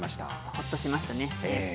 ほっとしましたね。